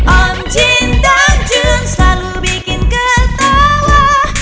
om jin dan jun selalu bikin ketawa